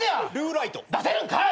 出せるんかい！